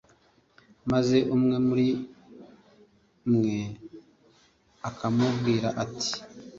maze umwe muri mwe akamubwira ati